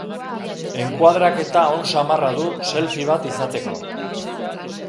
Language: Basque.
Enkoadraketa on samarra du selfie bat izateko.